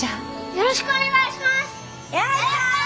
よろしくお願いします！